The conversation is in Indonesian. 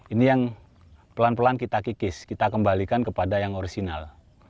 ini yang pelan pelan kita kikis kita kembalikan kepada yang orisinal